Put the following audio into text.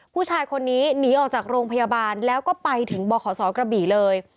ผู้ชายคนนี้หนีออกจากโรงพยาบาลแล้วก็ไปถึงบขศกระบี่เลย